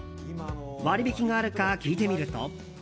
割り引きがあるか聞いてみると。